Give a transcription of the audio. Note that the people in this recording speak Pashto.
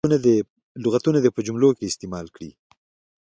لغتونه دې په جملو کې استعمال کړي.